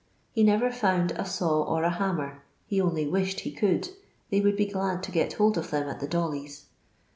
He never found a saw or a hammer, he "only wished" he could, they would be glad to get hold of them at the dolly's.